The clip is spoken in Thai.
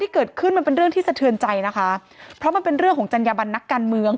เกิดขึ้นมันเป็นเรื่องที่สะเทือนใจนะคะเพราะมันเป็นเรื่องของจัญญาบันนักการเมือง